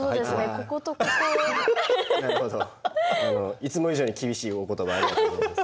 いつも以上に厳しいお言葉ありがとうございます。